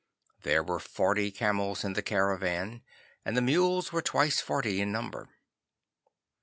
There were forty camels in the caravan, and the mules were twice forty in number.